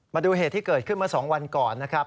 มาดูเหตุที่เกิดขึ้นเมื่อ๒วันก่อนนะครับ